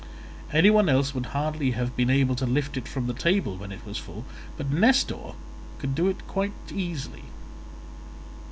Any one else would hardly have been able to lift it from the table when it was full, but Nestor could do so quite easily.